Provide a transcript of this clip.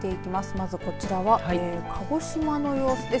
まずこちらは鹿児島の様子です。